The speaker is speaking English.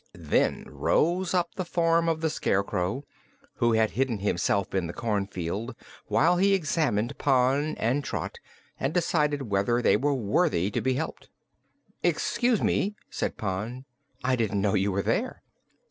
Then rose up the form of the Scarecrow, who had hidden himself in the cornfield while he examined Pon and Trot and decided whether they were worthy to be helped. "Excuse me," said Pon. "I didn't know you were there."